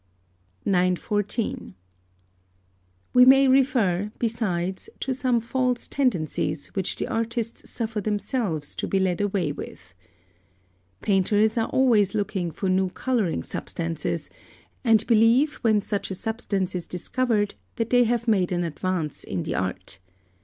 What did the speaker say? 914. We may refer, besides, to some false tendencies which the artists suffer themselves to be led away with. Painters are always looking for new colouring substances, and believe when such a substance is discovered that they have made an advance in the art.